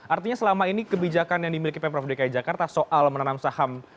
artinya selama ini kebijakan yang dimiliki pemprov dki jakarta soal menanam saham